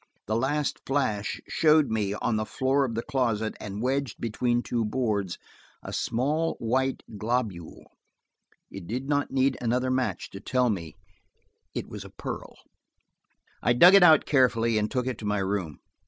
The last flash showed me, on the floor of the closet and wedged between two boards, a small white globule. It did not need another match to tell me it was a pearl. I dug it out carefully and took it to my room.